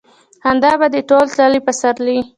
خندا به دې ټول تللي پسرلي